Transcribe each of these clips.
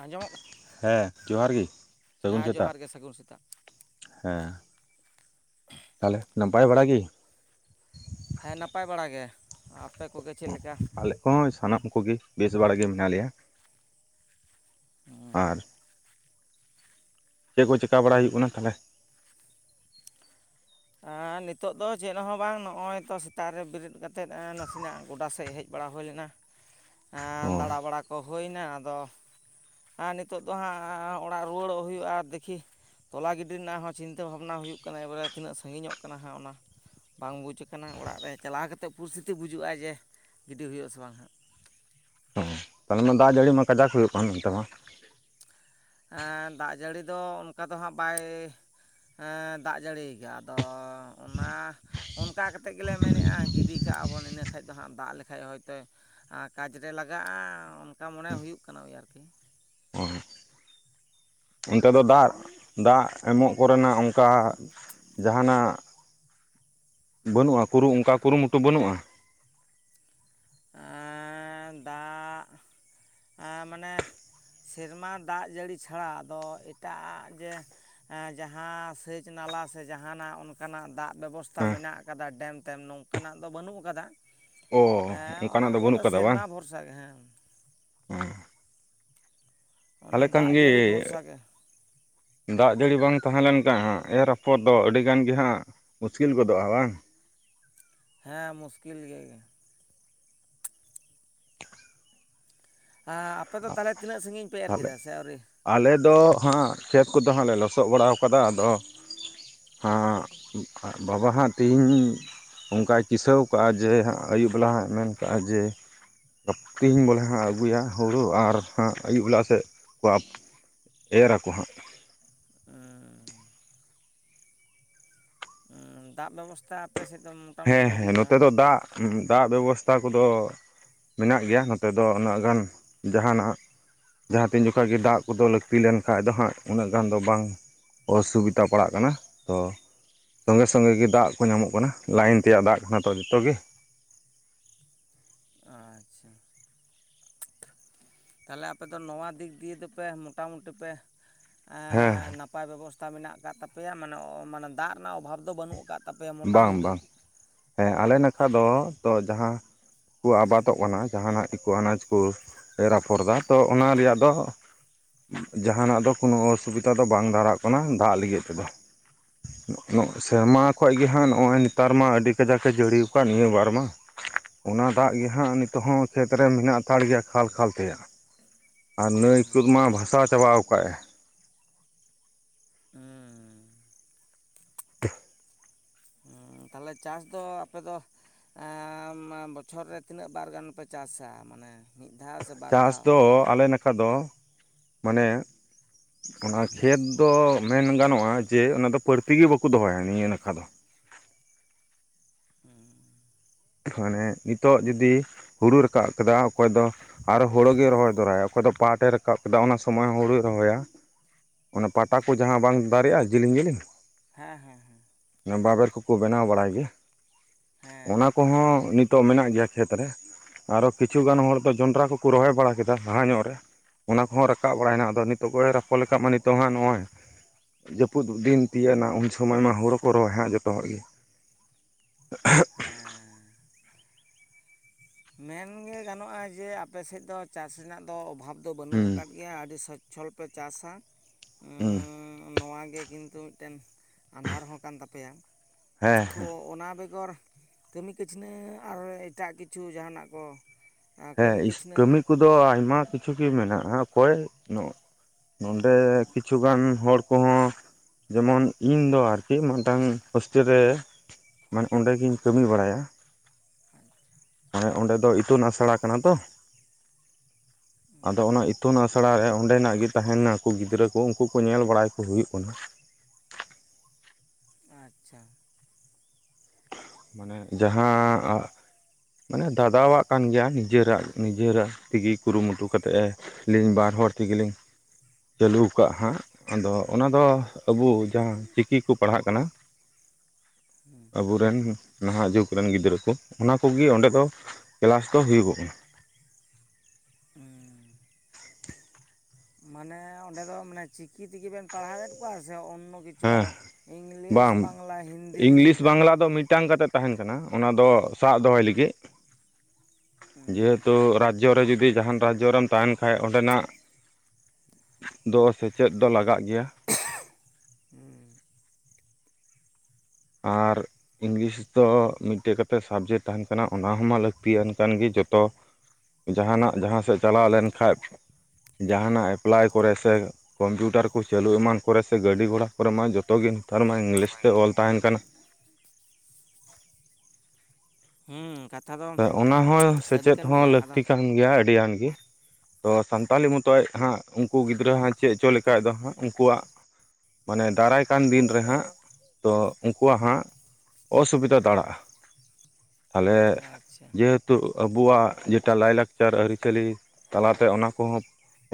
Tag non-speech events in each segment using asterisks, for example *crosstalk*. ᱟᱸᱡᱚᱢᱚᱜ ᱠᱟᱱᱟ? ᱦᱮᱸ ᱡᱚᱸᱦᱟᱨ ᱜᱮ᱾ ᱥᱟᱹᱜᱩᱱ ᱦᱮᱸ ᱥᱮᱛᱟᱜ ᱡᱚᱸᱦᱟᱨ ᱜᱮ ᱥᱟᱹᱜᱩᱱ ᱥᱮᱛᱟᱜ᱾ ᱦᱮᱸ᱾ ᱛᱟᱦᱚᱞᱮ ᱱᱟᱯᱟᱭ ᱵᱟᱲᱟ ᱜᱮ? ᱦᱮᱸ ᱱᱟᱯᱟᱭ ᱵᱟᱲᱟ ᱜᱮ ᱟᱯᱮ ᱠᱚᱜᱮ ᱪᱮᱫ ᱞᱮᱠᱟ? ᱦᱚᱸ ᱥᱟᱱᱟᱢ ᱠᱚᱜᱮ ᱵᱮᱥ ᱵᱟᱲᱟᱜ ᱜᱮ ᱢᱮᱱᱟᱜ ᱞᱮᱭᱟ᱾ ᱚᱸ ᱟᱨ ᱪᱮᱫ ᱠᱚ ᱪᱮᱠᱟ ᱵᱟᱲᱟ ᱦᱩᱭᱩᱜ ᱠᱟᱱᱟ, ᱛᱟᱦᱚᱞᱮ? ᱟᱸ ᱱᱤᱛᱚᱜ ᱫᱚ ᱪᱮᱫ ᱦᱚᱸ ᱵᱟᱝ, ᱱᱚᱜᱼᱚᱭ ᱛᱚ ᱥᱮᱛᱟᱜ ᱨᱮ ᱵᱮᱨᱮᱫ ᱠᱟᱛᱮᱫ ᱱᱟᱥᱮᱱᱟᱜ ᱜᱚᱰᱟ ᱥᱮᱫ ᱦᱮᱡ ᱵᱟᱲᱟ ᱦᱩᱭ ᱞᱮᱱᱟ᱾ ᱚ ᱫᱟᱬᱟᱵᱲᱟ ᱠᱚ ᱦᱩᱭᱱᱟ, ᱟᱫᱚ ᱟᱨ ᱱᱤᱛᱚᱜ ᱫᱚ ᱦᱟᱸᱜ ᱚᱲᱟᱜ ᱨᱩᱣᱟᱹᱲᱚᱜ ᱦᱩᱭᱩᱜᱼᱟ᱾ ᱫᱮᱠᱷᱤ ᱛᱚᱞᱟ ᱜᱤᱰᱤ ᱨᱮᱱᱟᱜ ᱦᱚᱸ ᱪᱤᱱᱛᱟᱹ ᱵᱷᱟᱵᱱᱟ ᱦᱩᱭᱩᱜ ᱠᱟᱱᱟ, ᱮᱵᱟᱨᱮ ᱛᱤᱱᱟᱹᱜ ᱥᱟᱺᱜᱤᱧᱚᱜ ᱠᱟᱱᱟ ᱦᱟᱸᱜ ᱚᱱᱟ ᱵᱟᱝ ᱵᱩᱡᱽᱠᱟᱱᱟ᱾ ᱚᱲᱟᱜ ᱨᱮ ᱪᱟᱞᱟᱣ ᱠᱟᱛᱮᱫ ᱯᱚᱨᱤᱥᱛᱷᱤᱛᱤ ᱵᱩᱡᱩᱜᱼᱟ ᱡᱮ ᱜᱤᱰᱤ ᱦᱩᱭᱩᱜ ᱟᱥᱮ ᱵᱟᱝ ᱦᱟᱸᱜ? ᱛᱟᱦᱚᱞᱮ ᱢᱟ ᱫᱟᱜ ᱡᱟᱹᱲᱤ ᱢᱟ ᱠᱟᱡᱟᱠ ᱦᱩᱭᱩᱜ ᱠᱟᱱ ᱚᱱᱛᱮ ᱢᱟ? ᱦᱮᱸ ᱫᱟᱜ ᱡᱟᱹᱲᱤ ᱫᱚ ᱚᱱᱠᱟ ᱫᱚ ᱦᱟᱸᱜ ᱵᱟᱭ ᱦᱮᱸᱻ ᱫᱟᱜ ᱡᱟᱹᱲᱤᱭ ᱟᱠᱟᱫᱚ᱾ ᱚᱱᱟ ᱚᱱᱠᱟ ᱠᱟᱛᱮᱫ ᱜᱮᱞᱮ ᱢᱮᱱᱮᱜᱼᱟ ᱜᱤᱰᱤ ᱠᱟᱜᱼᱟ, ᱵᱚᱱ ᱤᱱᱟᱹ ᱠᱷᱟᱱ ᱫᱚ ᱦᱟᱸᱜ ᱫᱟᱜ ᱞᱮᱠᱷᱟᱡ ᱦᱚᱳᱭ ᱛᱚ ᱟᱨ ᱠᱟᱡᱽ ᱨᱮ ᱞᱟᱜᱟᱜᱼᱟ, ᱚᱱᱠᱟ ᱢᱚᱱᱮ ᱦᱩᱭᱩᱜ ᱠᱟᱱᱟ ᱳᱭ ᱟᱨᱠᱤ᱾ ᱚ ᱚᱱᱛᱮ ᱫᱚ ᱫᱟᱜ ᱫᱟᱜ ᱮᱢᱚᱜ ᱠᱚᱨᱮᱱᱟᱜ ᱚᱱᱠᱟ ᱡᱟᱦᱟᱱᱟᱜ ᱵᱟᱹᱱᱩᱜᱼᱟ, ᱠᱩ ᱚᱱᱠᱟ ᱠᱩᱨᱩᱢᱩᱴᱩ ᱵᱟᱹᱱᱩᱜᱼᱟ? ᱮᱸᱻ ᱫᱟᱜ, ᱮᱸᱻ ᱢᱟᱱᱮ ᱥᱮᱨᱢᱟ ᱫᱟᱜ ᱡᱟᱹᱲᱤ ᱪᱷᱟᱲᱟ ᱟᱫᱚ ᱮᱴᱟᱜᱼᱟᱜ ᱡᱮ ᱡᱟᱦᱟᱸ ᱥᱮᱪ ᱱᱟᱞᱟ ᱥᱮ ᱡᱟᱦᱟᱱᱟᱜ ᱚᱱᱠᱟᱱᱟᱜ ᱫᱟᱜ ᱵᱮᱵᱚᱥᱛᱷᱟ ᱦᱮᱸ ᱢᱮᱱᱟᱜ ᱟᱠᱟᱫᱟ, ᱰᱮᱢ ᱛᱮᱢ ᱱᱚᱝᱠᱟᱱᱟᱜ ᱫᱚ ᱵᱟᱹᱱᱩᱜ ᱟᱠᱟᱫᱟ᱾ ᱚ ᱦᱮᱸ ᱚᱱᱠᱟᱱᱟᱜ ᱚᱱᱟ ᱟᱞᱮ ᱵᱟᱹᱱᱩᱜ ᱫᱚ ᱠᱟᱫᱟ ᱵᱟᱝ ᱥᱮᱨᱢᱟ ᱵᱷᱚᱨᱥᱟ ᱜᱮ ᱦᱮᱸ᱾ ᱚᱱᱟ ᱛᱟᱦᱚᱞᱮ ᱠᱷᱟᱱ ᱫᱟᱜ ᱜᱮ ᱡᱟᱹᱲᱤ ᱵᱷᱚᱨᱥᱟ ᱜᱮ ᱫᱟᱜ ᱡᱟᱹᱲᱤ ᱵᱟᱝ ᱛᱟᱦᱮᱸ ᱞᱮᱱᱠᱷᱟᱱ ᱦᱟᱸᱜ ᱮᱨ ᱟᱯᱷᱚᱨ ᱫᱚ ᱟᱹᱰᱤᱜᱟᱱ ᱜᱮ ᱦᱟᱸᱜ ᱢᱩᱥᱠᱤᱞ ᱜᱚᱫᱚᱜᱼᱟ ᱵᱟᱝ? ᱦᱮᱸ ᱢᱩᱥᱠᱤᱞ ᱜᱮ᱾ ᱦᱮᱸ ᱟᱯᱮ ᱫᱚ ᱛᱟᱦᱚᱞᱮ ᱛᱤᱱᱟᱹᱜ ᱥᱟᱺᱜᱤᱧ ᱯᱮ ᱮᱨ ᱠᱮᱫᱟ ᱥᱮ ᱟᱹᱣᱨᱤ? ᱟᱞᱮᱚ ᱦᱟᱸᱜ ᱠᱷᱮᱛ ᱠᱚᱫᱚ ᱦᱟᱸᱜ ᱞᱮ ᱞᱚᱥᱚᱫ ᱵᱟᱲᱟ ᱠᱟᱫᱟ᱾ ᱟᱫᱚ ᱵᱟᱵᱟ ᱦᱟᱸᱜ ᱛᱮᱦᱤᱧ ᱚᱱᱠᱟᱭ ᱠᱤᱥᱟᱹᱣ ᱠᱟᱜᱼᱟ ᱡᱮ ᱦᱟᱸᱜ ᱟᱹᱭᱩᱵ ᱵᱮᱞᱟ ᱦᱟᱸᱜ ᱢᱮᱱ ᱠᱟᱜᱼᱟ ᱡᱮ *unintelligible* ᱛᱤᱦᱤᱧ ᱦᱟᱜ ᱟᱹᱜᱩᱭᱟ᱾ ᱦᱩᱲᱩ ᱟᱨ ᱦᱟᱸᱜ ᱟᱹᱭᱩᱵ ᱵᱮᱞᱟ ᱥᱮᱫ ᱠᱚ ᱮᱨ ᱟᱠᱚ ᱦᱟᱸᱜ᱾ ᱦᱩᱸ ᱫᱟᱜ ᱵᱮᱵᱚᱥᱛᱷᱟ ᱟᱯᱮ ᱥᱮᱫ ᱫᱚ ᱢᱚᱴᱟᱢᱩᱴᱤ ᱦᱮᱸ, ᱵᱷᱟᱹᱜᱤ ᱦᱮᱸ, ᱜᱮᱭᱟ ᱱᱚᱛᱮ ᱵᱟᱝ ᱫᱚ ᱫᱟᱜ, ᱫᱟᱜ ᱵᱮᱵᱚᱥᱛᱟ ᱠᱚᱫᱚ ᱢᱮᱱᱟᱜ ᱜᱮᱭᱟ ᱱᱚᱛᱮ ᱫᱚ, ᱩᱱᱟᱹᱜ ᱜᱟᱱ ᱡᱟᱦᱟᱱᱟᱜ ᱡᱟᱦᱟᱸ ᱛᱤᱱ ᱡᱚᱠᱷᱟ ᱜᱮ ᱫᱟᱜ ᱠᱚᱫᱚ, ᱞᱟᱹᱠᱛᱤ ᱞᱮᱱᱠᱷᱟᱜ ᱫᱚ ᱦᱟᱸᱜ ᱩᱱᱟᱹᱜ ᱜᱟᱱ ᱫᱚ ᱵᱟᱝ ᱚᱥᱩᱵᱤᱫᱟ ᱯᱟᱲᱟᱜ ᱠᱟᱱᱟ, ᱛᱚ ᱥᱚᱸᱜᱮ ᱥᱚᱸᱜᱮ ᱜᱮ ᱫᱟᱜ ᱠᱚ ᱧᱟᱢᱚᱜ ᱠᱟᱱᱟ᱾ ᱞᱟᱭᱤᱱ ᱛᱮᱭᱟᱜ ᱫᱟᱜ ᱠᱟᱱᱟ ᱛᱚ ᱡᱚᱛᱚ ᱜᱮ ᱟᱪᱪᱷᱟ, ᱛᱟᱦᱞᱮ ᱟᱯᱮ ᱫᱚ ᱱᱚᱣᱟ ᱫᱤᱠ ᱫᱤᱭᱮ ᱫᱚᱯᱮ, ᱢᱚᱴᱟᱢᱩᱴᱤ ᱯᱮ, ᱦᱮᱸ ᱮᱸ ᱱᱟ ᱱᱟᱯᱟᱭ ᱵᱮᱵᱚᱥᱛᱟ ᱢᱮᱱᱟᱜ ᱠᱟᱜ ᱛᱟᱯᱮᱭᱟ, ᱢᱟᱱᱮ, ᱢᱟᱱᱮ ᱫᱟᱜ ᱨᱮᱱᱟᱜ ᱚᱵᱷᱟᱵᱽ ᱫᱚ ᱵᱟᱹᱱᱩᱜ ᱠᱟᱫ ᱵᱟᱝ, ᱵᱟᱝ, ᱦᱮᱸ ᱟᱞᱮ ᱱᱟᱠᱷᱟ ᱫᱚ, ᱛᱚ ᱡᱟᱦᱟᱸ ᱠᱩ ᱟᱵᱟᱫᱚᱜ ᱠᱟᱱᱟ, ᱡᱟᱦᱟᱱᱟᱜ ᱠᱩ ᱟᱱᱟᱡᱽ ᱠᱩ ᱮᱨ ᱟᱯᱷᱚᱨ ᱫᱟ, ᱛᱚ ᱚᱱᱟ ᱨᱮᱭᱟᱜ ᱫᱚ ᱡᱟᱦᱟᱸᱱᱟᱜ ᱫᱚ ᱠᱳᱱᱚ ᱚᱥᱩᱵᱤᱫᱷᱟ ᱫᱚ ᱵᱟᱝ ᱫᱟᱨᱟᱜ ᱠᱟᱱᱟ, ᱫᱟᱜ ᱞᱟᱹᱜᱤᱫ ᱛᱮᱫᱚ, ᱩᱱᱟᱹᱜ, ᱩᱱᱟᱹᱜ, ᱥᱮᱨᱢᱟ, ᱠᱷᱚᱡ ᱜᱮ ᱦᱟᱸᱜ, ᱱᱚᱜᱼᱚᱭ ᱱᱮᱛᱟᱨ ᱢᱟ ᱟᱹᱰᱤ ᱠᱟᱡᱟᱠᱮ ᱡᱟᱹᱲᱤᱭ ᱠᱟᱜ ᱱᱤᱭᱟᱹ ᱵᱟᱨ ᱢᱟ᱾ ᱚᱱᱟ ᱫᱟᱜ ᱜᱮ ᱦᱟᱸᱜ ᱱᱤᱛᱚᱜ ᱦᱚᱸ, ᱠᱷᱮᱛᱨᱮ ᱢᱮᱱᱟᱜ ᱦᱟᱛᱟᱲ ᱜᱮᱭᱟ ᱠᱷᱟᱞ ᱠᱷᱟᱞ ᱛᱮᱭᱟᱜ᱾ ᱟᱨ ᱱᱟᱹᱭ ᱠᱚᱫ ᱢᱟ ᱵᱷᱟᱥᱟᱣ ᱪᱟᱵᱟᱣ ᱠᱟᱜᱼᱮ᱾ ᱦᱮᱸ, *unintelligible* *unintelligible* ᱛᱟᱦᱚᱞᱮ ᱪᱟᱥ ᱫᱚ, ᱟᱯᱮ ᱫᱚ? ᱮᱸᱢ ᱵᱚᱪᱷᱚᱨ ᱨᱮ ᱛᱤᱱᱟᱹᱜ ᱵᱟᱨ ᱜᱟᱱ ᱯᱮ ᱪᱟᱥᱟ, ᱢᱟᱱᱮ ᱢᱤᱫ ᱫᱷᱟᱣ ᱥᱮ ᱵᱟᱨ ᱪᱟᱥ ᱫᱷᱟᱣ ᱫᱚ ᱟᱞᱮ ᱱᱟ ᱠᱟᱛᱷᱟ ᱫᱚ ᱢᱟᱱᱮ ᱚᱱᱟ ᱠᱷᱮᱛ ᱫᱚ ᱢᱮᱱ ᱜᱟᱱᱚᱜᱼᱟ ᱡᱮ, ᱚᱱᱟ ᱫᱚ ᱯᱟᱹᱲᱛᱤ ᱜᱮ ᱵᱟᱠᱚ ᱫᱚᱦᱚᱭᱟ ᱱᱤᱭᱟᱹ ᱱᱟᱠᱷᱟ ᱫᱚ᱾ ᱦᱮᱸ, ᱢᱟᱱᱮ ᱱᱤᱛᱚᱜ ᱡᱩᱫᱤ, ᱦᱩᱲᱩ ᱨᱟᱠᱟᱵ ᱠᱮᱫᱟ ᱚᱠᱚᱭ ᱫᱚ ᱟᱨ ᱦᱳᱲᱳ ᱜᱮ ᱨᱚᱦᱚᱭ ᱫᱚᱨᱟᱭᱟ, ᱚᱠᱚᱭ ᱫᱚ ᱯᱟᱴ ᱮ ᱨᱟᱠᱟᱵ ᱠᱮᱫᱟ, ᱚᱱᱟ ᱥᱚᱢᱚᱭ ᱦᱚᱸ ᱦᱳᱲᱳᱭ ᱨᱚᱦᱚᱭᱟ᱾ ᱚᱱᱟ ᱯᱟᱴᱟ ᱠᱚ ᱡᱟᱦᱟᱸ ᱵᱟᱝ ᱫᱟᱨᱮᱜᱼᱟ, ᱡᱮᱞᱤᱧ ᱡᱮᱞᱤᱧ ᱦᱮᱸ, ᱦᱮᱸ, ᱦᱮᱸ, ᱵᱟᱵᱮᱨ ᱠᱚᱠᱚ ᱵᱮᱱᱟᱣ ᱵᱟᱲᱟᱭ ᱜᱮᱭᱟ, ᱦᱮᱸ ᱚᱱᱟ ᱠᱚᱦᱚᱸ ᱱᱤᱛᱚᱜ ᱢᱮᱱᱟᱜ ᱜᱮᱭᱟ ᱠᱷᱮᱛ ᱨᱮ ᱟᱨᱚ ᱠᱤᱪᱷᱩ ᱜᱟᱱ ᱦᱚᱲ ᱫᱚ, ᱡᱚᱱᱰᱨᱟ ᱠᱚᱠᱚ ᱨᱚᱦᱚᱭ ᱵᱟᱲᱟ ᱠᱮᱫᱟ, ᱞᱟᱦᱟ ᱧᱚᱜ ᱨᱮ᱾ ᱚᱱᱟ ᱠᱚᱦᱚᱸ ᱨᱟᱠᱟᱵ ᱵᱟᱲᱟᱭᱱᱟ, ᱟᱫᱚ ᱱᱤᱛᱚᱜ ᱠᱚᱭ ᱨᱟᱯᱚᱲ ᱠᱟᱜ ᱢᱟ ᱱᱤᱛᱚᱜ ᱦᱟᱜ ᱱᱚᱜᱼᱚᱭ ᱡᱟᱹᱯᱩᱫ ᱫᱤᱱ ᱛᱤᱭᱟᱹᱜ ᱱᱟ, ᱩᱱ ᱥᱚᱢᱚᱭ ᱢᱟ ᱦᱳᱲᱳ ᱠᱚ ᱨᱚᱦᱚᱭ ᱦᱟᱸᱜ ᱡᱚᱛᱚ ᱦᱚᱲ ᱜᱮ *inaudible* ᱦᱮᱸ, ᱢᱮᱱ ᱜᱮ ᱜᱟᱱᱚᱜᱼᱟ ᱡᱮ, ᱟᱯᱮ ᱥᱮᱫ ᱫᱚ ᱪᱟᱥ ᱨᱮᱱᱟᱜ ᱫᱚ, ᱚᱵᱷᱟᱵᱽ ᱫᱚ ᱵᱟᱹᱱᱩᱜ ᱦᱩᱸ ᱠᱟᱫ ᱜᱮᱭᱟ ᱟᱹᱰᱤ ᱥᱚᱪᱷᱚᱞ ᱯᱮ ᱪᱟᱥᱟ, ᱦᱩᱸ ᱱᱚᱶᱟ ᱜᱮ ᱠᱤᱱᱛᱩ ᱢᱤᱫᱴᱮᱱ ᱟᱸᱫᱷᱟᱨ ᱦᱚᱸ ᱠᱟᱱ ᱛᱟᱯᱮᱭᱟ, ᱦᱮᱸ ᱛᱷᱚ ᱚᱱᱟ ᱵᱮᱜᱚᱨ ᱠᱟᱹᱢᱤ ᱠᱟᱹᱪᱱᱟᱹ, ᱟᱨ ᱦᱚᱸ ᱮᱴᱟᱜ ᱠᱤᱪᱷᱩ ᱡᱟᱦᱟᱱᱟᱜ ᱠᱚ ᱦᱮᱸ, ᱠᱟᱹᱢᱤ ᱠᱟᱹᱥᱱᱤ ᱠᱟᱹᱢᱤ ᱠᱚᱫᱚ ᱟᱭᱢᱟ ᱠᱤᱪᱷᱩ ᱜᱮ ᱢᱮᱱᱟᱜᱼᱟ, ᱚᱠᱚᱭ ᱱᱚᱰᱮ ᱠᱤᱪᱷᱩ ᱜᱟᱱ ᱦᱚᱲ ᱠᱚᱦᱚᱸ ᱡᱮᱢᱚᱱ ᱤᱧ ᱫᱚ ᱟᱨᱠᱤ, ᱢᱟᱫᱴᱟᱝ ᱦᱳᱥᱴᱮᱞ ᱨᱮ ᱢᱟᱱᱮ ᱚᱸᱰᱮ ᱜᱮᱧ ᱠᱟᱹᱢᱤ ᱵᱟᱲᱟᱭᱟ᱾ ᱦᱮᱸ, ᱚᱸᱰᱮ ᱫᱚ ᱤᱛᱩᱱ ᱟᱥᱲᱟ ᱠᱟᱱᱟ ᱛᱚ *inaudible* ᱟᱫᱚ ᱚᱱᱟ ᱤᱛᱩᱱ ᱟᱥᱲᱟ ᱨᱮ, ᱚᱸᱰᱮ ᱱᱟᱜ ᱜᱮ ᱛᱟᱦᱮᱸᱱᱟᱠᱚ ᱜᱤᱫᱽᱨᱟᱹ ᱠᱚ, ᱩᱱᱠᱩ ᱠᱚ ᱧᱮᱞ ᱵᱟᱲᱟᱭ ᱠᱚ ᱦᱩᱭᱩᱜ ᱠᱟᱱᱟ᱾ ᱟᱪᱪᱷᱟ, ᱢᱟᱱᱮ ᱡᱟᱦᱟᱸ, ᱢᱟᱱᱮ ᱫᱟᱫᱟᱣᱟᱜ ᱠᱟᱱ ᱜᱮᱭᱟ, ᱱᱤᱡᱮᱨᱟᱜ, ᱱᱤᱡᱮᱨᱟᱜ ᱛᱮᱜᱮ ᱠᱩᱨᱩᱢᱩᱴᱩ ᱠᱟᱛᱮᱜ ᱮ ᱟᱹᱞᱤᱧ ᱵᱟᱨ ᱦᱚᱲ ᱛᱮᱜᱮ ᱞᱤᱧ--᱾ ᱪᱟᱹᱞᱩ ᱠᱟᱫ ᱦᱟᱸᱜ ᱟᱫᱚ ᱚᱱᱟ ᱫᱚ ᱟᱵᱚ ᱡᱟᱦᱟᱸ ᱪᱤᱠᱤ ᱠᱚ ᱯᱟᱲᱦᱟᱜ ᱠᱟᱱᱟ ᱟᱵᱚᱨᱮᱱ ᱱᱟᱦᱟᱜ ᱡᱩᱜᱽ ᱨᱮᱱ ᱜᱤᱫᱽᱨᱟᱹ ᱠᱩ ᱚᱱᱟᱠᱜᱤ ᱚᱸᱰᱮ ᱫᱚ ᱠᱮᱞᱟᱥ ᱫᱚ ᱦᱩᱭᱩᱜᱚᱜ ᱠᱟᱱᱟ᱾ ᱩᱸᱻ ᱢᱟᱱᱮ ᱚᱸᱰᱮ ᱫᱚ ᱢᱟᱱᱮ ᱪᱤᱠᱤ ᱛᱮᱜᱮ ᱵᱮᱱ ᱯᱟᱲᱦᱟᱣᱮᱫ ᱠᱚᱣᱟ ᱥᱮ ᱚᱱᱱᱚ ᱪᱩ ᱦᱮᱸ ᱟᱨᱚ ᱤᱝᱞᱤᱥ ᱵᱟᱝ ᱵᱟᱝᱞᱟ ᱦᱤᱱᱫᱤ ᱤᱝᱞᱤᱥ ᱱᱤᱝᱠᱟ? ᱵᱟᱝᱞᱟ ᱫᱚ ᱢᱤᱫᱴᱟᱝ ᱠᱟᱛᱮ ᱛᱟᱦᱮᱱ ᱠᱟᱱᱟ ᱚᱱᱟ ᱫᱚ ᱥᱟᱵ ᱫᱚᱦᱚᱭ ᱞᱟᱹᱜᱤᱫ᱾ ᱡᱮ ᱦᱮᱛᱩ ᱨᱟᱡᱽᱡᱚ ᱨᱮ ᱡᱩᱫᱤ ᱡᱟᱦᱟᱱ ᱨᱟᱡᱽᱡᱚ ᱨᱮᱢ ᱛᱟᱦᱮᱱ ᱠᱷᱟᱡ ᱚᱸᱰᱮᱱᱟᱜ ᱫᱚ ᱥᱮᱪᱮᱫ ᱫᱚ ᱞᱟᱜᱟᱜ ᱜᱮᱭᱟ᱾ ᱦᱮᱸ ᱟᱨ ᱤᱝᱞᱤᱥ ᱫᱚ ᱢᱤᱫᱴᱮᱡ ᱠᱟᱛᱮᱫ ᱥᱟᱵᱽᱡᱮᱠᱴ ᱛᱟᱦᱮᱱ ᱠᱟᱱᱟ ᱚᱱᱟ ᱦᱚᱸᱢᱟ ᱞᱟᱹᱠᱛᱤᱭᱟᱱ ᱠᱟᱱ ᱜᱮ ᱡᱚᱛᱚ ᱡᱟᱦᱟᱱᱟᱜ ᱡᱟᱦᱟᱸᱥᱮᱫ ᱪᱟᱞᱟᱣ ᱞᱮᱱ ᱠᱷᱟᱡ ᱡᱟᱦᱟᱱᱟᱜ ᱮᱯᱞᱟᱭ ᱠᱚᱨᱮ ᱥᱮ ᱠᱚᱢᱯᱤᱭᱩᱴᱟᱨ ᱠᱚ ᱪᱟᱹᱞᱩ ᱮᱢᱟᱱ ᱠᱚᱨᱮ ᱥᱮ ᱜᱟᱹᱰᱤ ᱜᱷᱚᱲᱟ ᱠᱚᱨᱮ ᱢᱟ ᱡᱚᱛᱚ ᱜᱮ ᱱᱮᱛᱟᱨ ᱢᱟ ᱤᱝᱞᱤᱥ ᱛᱮ ᱚᱞ ᱛᱟᱦᱮᱱ ᱠᱟᱱᱟ᱾ ᱚᱱᱠᱟ ᱚᱱᱟ ᱦᱚᱸ ᱥᱮᱪᱮᱫ ᱦᱚᱸ ᱟᱫᱚ ᱞᱟᱹᱠᱛᱤ ᱠᱟᱱ ᱜᱮᱭᱟ ᱟᱹᱰᱤ ᱟᱱ ᱜᱮ᱾ ᱛᱚ ᱥᱟᱱᱛᱟᱞᱤ ᱢᱚᱛᱚᱡ ᱦᱟᱸᱜ ᱩᱱᱠᱩ ᱜᱤᱫᱽᱨᱟᱹ ᱦᱟᱸᱜ ᱪᱮᱫ ᱦᱚᱪᱚ ᱞᱮᱠᱟᱡ ᱫᱚ ᱦᱟᱸᱜ ᱩᱱᱠᱩᱣᱟᱜ ᱢᱟᱱᱮ ᱫᱟᱨᱟᱭ ᱠᱟᱱ ᱫᱤᱱ ᱨᱮ ᱦᱟᱸᱜ ᱛᱚ ᱩᱱᱠᱩᱣᱟᱜ ᱦᱟᱸᱜ ᱚᱥᱵᱤᱫᱟ ᱫᱟᱲᱟᱜᱼᱟ᱾ *inaudible* ᱛᱟᱦᱚᱞᱮ ᱟᱪᱪᱷᱟ ᱡᱮᱦᱮᱛᱩ ᱟᱵᱚᱣᱟᱜ ᱡᱮᱴᱟ ᱞᱟᱭᱼᱞᱟᱠᱪᱟᱨ ᱟᱹᱨᱤᱪᱟᱹᱞᱤ ᱛᱟᱞᱟᱛᱮ ᱚᱱᱟ ᱠᱚᱦᱚᱸ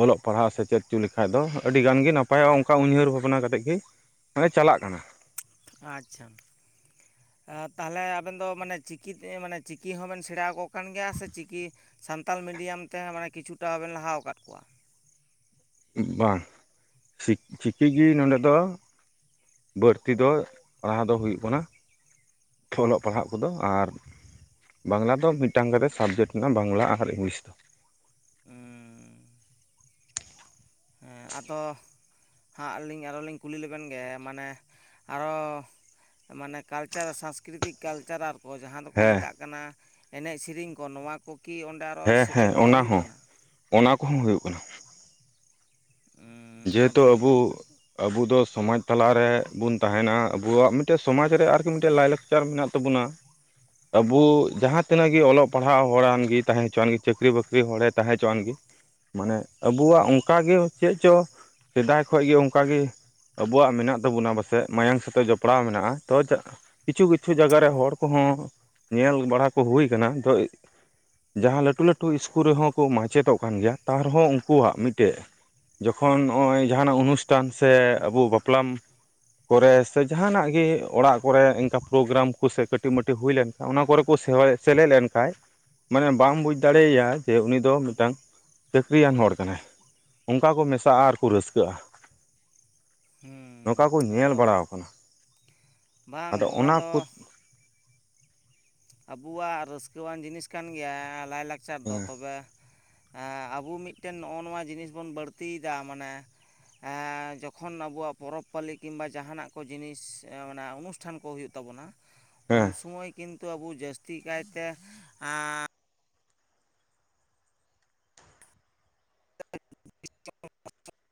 ᱚᱞᱚᱜ ᱯᱟᱲᱦᱟᱜ ᱥᱮᱪᱮᱫ ᱦᱚᱪᱚ ᱞᱮᱠᱷᱟᱡ ᱫᱚ ᱟᱹᱰᱤ ᱜᱟᱱ ᱜᱮ ᱱᱟᱯᱟᱭᱚᱜᱼᱟ ᱚᱱᱠᱟ ᱩᱭᱦᱟᱹᱨ ᱵᱷᱟᱵᱽᱱᱟ ᱠᱟᱛᱮᱫ ᱜᱮ ᱢᱟᱱᱮ ᱪᱟᱞᱟᱜ ᱠᱟᱱᱟ᱾ ᱟᱪᱪᱷᱟ ᱛᱟᱦᱞᱮ ᱟᱵᱮᱱ ᱫᱚ ᱢᱟᱱᱮ ᱪᱤᱠᱤ ᱛᱮ ᱢᱟᱱᱮ ᱪᱤᱠᱤ ᱦᱚᱸᱵᱮᱱ ᱥᱮᱬᱟᱣ ᱟᱠᱚ ᱠᱟᱱ ᱜᱮᱭᱟ ᱥᱮ ᱪᱤᱠᱤ ᱥᱟᱱᱛᱟᱲ ᱢᱤᱰᱤᱭᱟᱢ ᱛᱮᱦᱚᱸ ᱢᱟᱱᱮ ᱠᱤᱪᱷᱩᱴᱟ ᱵᱮᱱ ᱞᱟᱦᱟ ᱟᱠᱟᱫ ᱠᱚᱣᱟ? ᱵᱟᱝ *unintelligible* ᱪᱤᱠᱤ ᱜᱮ ᱱᱚᱸᱰᱮ ᱫᱚ ᱵᱟᱹᱲᱛᱤ ᱫᱚ ᱯᱟᱲᱦᱟᱣ ᱫᱚ ᱦᱩᱭᱩᱜ ᱠᱟᱱᱟ᱾ ᱚᱞᱚᱜ ᱯᱟᱲᱦᱟᱜ ᱠᱚᱫᱚ ᱟᱨ ᱵᱟᱝᱞᱟ ᱫᱚ ᱢᱤᱫᱴᱟᱝ ᱠᱟᱛᱮᱫ ᱥᱟᱵᱽᱡᱮᱠᱴ ᱢᱮᱱᱟᱜ-ᱟ ᱵᱟᱝᱞᱟ ᱟᱨ ᱤᱝᱞᱤᱥ᱾ ᱦᱮᱸ ᱦᱮᱸ ᱟᱫᱚ ᱦᱟᱸᱜ ᱟᱹᱞᱤᱧ ᱟᱨᱚ ᱞᱤᱧ ᱠᱩᱞᱤ ᱞᱮᱵᱮᱱ ᱜᱮ ᱢᱟᱱᱮ ᱟᱨᱚ ᱢᱟᱱᱮ ᱠᱟᱞᱪᱟᱨ ᱥᱟᱸᱥᱠᱨᱤᱛᱤᱠ ᱠᱟᱞᱪᱟᱨ ᱟᱨ ᱠᱚ ᱡᱟᱦᱟᱸ ᱫᱚᱠᱚ ᱦᱮᱸ ᱢᱮᱛᱟᱜ ᱠᱟᱱᱟ ᱮᱱᱮᱡ ᱥᱮᱨᱮᱧ ᱠᱚ ᱱᱚᱣᱟ ᱠᱚ ᱠᱤ ᱚᱸᱰᱮ ᱟᱨᱚ ᱦᱮᱸ ᱦᱮᱸ ᱥᱮᱪᱮᱫ ᱠᱚ ᱚᱱᱟ ᱦᱩᱭᱩᱜ ᱦᱚᱸ ᱠᱟᱱᱟ? ᱚᱱᱟ ᱠᱚᱦᱚᱸ ᱦᱩᱭᱩᱜ ᱠᱟᱱᱟ᱾ ᱡᱮᱦᱮᱛᱩ ᱟᱹᱰᱤ ᱟᱵᱚ ᱟᱵᱚ ᱫᱚ ᱥᱚᱢᱟᱡᱽ ᱛᱟᱞᱟᱨ ᱨᱮ ᱵᱚᱱ ᱛᱟᱦᱮᱱᱟ ᱟᱵᱚᱣᱟᱜ ᱢᱤᱫᱴᱮᱱ ᱥᱚᱢᱟᱡᱽ ᱨᱮ ᱟᱨᱠᱤ ᱢᱤᱫᱴᱮᱱ ᱞᱟᱭ ᱞᱟᱠᱪᱟᱨ ᱢᱮᱱᱟᱜ ᱛᱟᱵᱚᱱᱟ᱾ ᱟᱵᱚ ᱡᱟᱦᱟᱸ ᱛᱤᱱᱟᱹᱜ ᱜᱮ ᱚᱞᱚᱜ ᱯᱟᱲᱦᱟᱜ ᱦᱚᱲ ᱟᱱᱜᱮ ᱛᱟᱦᱮᱸ ᱦᱚᱪᱚᱣᱟᱱᱜ ᱪᱟᱹᱠᱨᱤ ᱵᱟᱹᱠᱨᱤ ᱦᱚᱲᱮ ᱛᱟᱦᱮᱸ ᱦᱚᱪᱚᱣᱟᱱ ᱜᱮ ᱢᱟᱱᱮ ᱟᱵᱚᱣᱟᱜ ᱚᱱᱠᱟ ᱜᱮ ᱪᱮᱫ ᱪᱚ ᱥᱮᱫᱟᱭ ᱠᱷᱚᱱ ᱜᱮ ᱚᱱᱠᱟᱜ ᱜᱮ ᱟᱵᱚᱣᱟᱜ ᱢᱮᱱᱟᱜ ᱛᱟᱵᱚᱱᱟ ᱯᱟᱥᱮᱡ ᱢᱟᱭᱟᱝ ᱥᱟᱛᱮᱜ ᱡᱚᱯᱲᱟᱣ ᱢᱮᱱᱟᱜᱼᱟ ᱛᱚ *unintelligible* ᱠᱤᱪᱷᱩ ᱠᱤᱪᱷᱩ ᱡᱟᱭᱜᱟ ᱨᱮ ᱦᱚᱲ ᱠᱚᱦᱚᱸ ᱧᱮᱞ ᱵᱟᱲᱟ ᱠᱚ ᱦᱩᱭ ᱟᱠᱟᱱᱟ *unintelligible* ᱡᱟᱦᱟᱸ ᱞᱟᱹᱴᱩ ᱞᱟᱹᱴᱩ ᱤᱥᱠᱩᱞ ᱨᱮᱦᱚᱸ ᱠᱚ ᱢᱟᱪᱮᱫᱚᱜ ᱠᱟᱱ ᱜᱮᱭᱟ ᱛᱟᱣ ᱨᱮᱦᱚᱸ ᱩᱱᱠᱩᱣᱟᱜ ᱢᱤᱫᱴᱮᱡ ᱠᱷᱚᱱ ᱱᱚᱜᱼᱚᱭ ᱡᱟᱦᱟᱱᱟᱜ ᱚᱱᱩᱥᱴᱷᱟᱱ ᱥᱮ ᱟᱵᱚ ᱵᱟᱯᱞᱟ ᱠᱚᱨᱮ ᱥᱮ ᱡᱟᱦᱟᱱᱟᱜ ᱜᱮ ᱚᱲᱟᱜ ᱠᱚᱨᱮ ᱤᱱᱠᱟ ᱯᱨᱳᱜᱨᱟᱢ ᱠᱚ ᱥᱮ ᱠᱟᱹᱴᱤᱡ ᱢᱟᱹᱴᱤ ᱦᱩᱭ ᱞᱮᱱ ᱚᱱᱟ ᱠᱚᱨᱮ ᱠᱚ *unintelligible* ᱥᱮᱞᱮᱫ ᱞᱮᱱᱠᱷᱟᱡ ᱢᱟᱱᱮ ᱵᱟᱢ ᱵᱩᱡᱽ ᱫᱟᱲᱮᱭᱟᱭᱟ ᱡᱮ ᱩᱱᱤ ᱫᱚ ᱢᱤᱫᱴᱟᱝ ᱪᱟᱹᱠᱨᱤᱭᱟᱱ ᱦᱚᱲ ᱠᱟᱱᱟᱭ ᱚᱱᱠᱟ ᱠᱚ ᱢᱮᱥᱟᱜᱼᱟ ᱟᱨᱠᱚ ᱨᱟᱹᱥᱠᱟᱹᱜᱼᱟ᱾ ᱱᱚᱝᱠᱟ ᱠᱚ ᱧᱮᱞ ᱟᱫᱚ ᱵᱟᱲᱟᱣ ᱠᱟᱱᱟ, ᱵᱟᱝ ᱟᱫᱚ ᱱᱚᱣᱟ ᱚᱱᱟ ᱫᱚ ᱠᱩ ᱟᱵᱚᱣᱟᱜ ᱨᱟᱹᱥᱠᱟᱹᱣᱟᱱ ᱡᱤᱱᱤᱥ ᱠᱟᱱ ᱜᱮᱭᱟ ᱞᱟᱭᱼᱞᱟᱠᱪᱟᱨ ᱫᱚ ᱦᱮᱸ ᱛᱚᱵᱮ ᱮᱸ ᱟᱵᱚ ᱢᱤᱫᱴᱮᱱ ᱱᱚᱜᱼᱚ ᱱᱚᱣᱟ ᱡᱤᱱᱤᱥ ᱵᱚᱱ ᱵᱟᱹᱲᱛᱤᱭ ᱮᱫᱟ, ᱢᱟᱱᱮ ᱡᱚᱠᱷᱚᱱ ᱟᱵᱚᱣᱟᱜ ᱯᱚᱨᱚᱵᱽ ᱯᱟᱹᱞᱤ ᱠᱤᱝ ᱵᱟ ᱡᱟᱦᱟᱱᱟᱜ ᱠᱚ ᱡᱤᱱᱤᱥ᱾ ᱚᱱᱟ ᱚᱱᱩᱴᱷᱟᱱ ᱠᱚ ᱦᱩᱭᱩᱜ ᱛᱟᱵᱚᱱᱟ᱾ ᱩᱱ ᱦᱮᱸ ᱥᱩᱢᱚᱭ ᱠᱤᱱᱛᱩ ᱟᱵᱚ ᱡᱟᱹᱥᱛᱤ ᱠᱟᱭᱛᱮ *unintelligible*